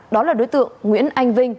đó là đối tượng nguyễn anh vinh